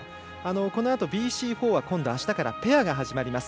このあとＢＣ４は今度、あしたからペアが始まります。